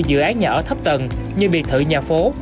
dự án nhà ở thấp tầng như biệt thự nhà phố